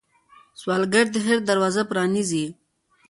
سوالګر د خیر دروازې پرانيزي